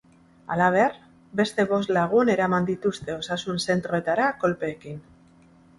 Halaber, beste bost lagun eraman dituzte osasun zentroetara, kolpeekin.